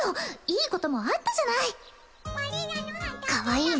いいこともあったじゃないかわいい